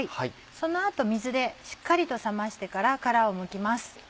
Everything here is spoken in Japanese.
その後水でしっかりと冷ましてから殻をむきます。